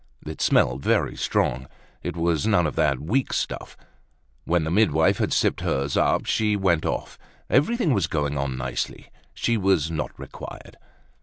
It smelt very strong, it was none of that weak stuff. When the midwife had sipped hers up, she went off; everything was going on nicely, she was not required.